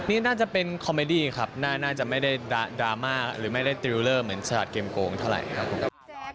นี่น่าจะเป็นคอมเมดี้ครับน่าจะไม่ได้ดราม่าหรือไม่ได้ติวเลอร์เหมือนฉลาดเกมโกงเท่าไหร่ครับผม